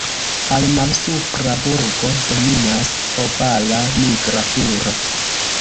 Al "Malsupra burgo" dominas ovala "Nigra turo".